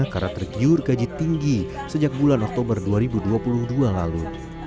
karena tergiur gaji tinggi sejak bulan oktober dua ribu dua puluh dua lalu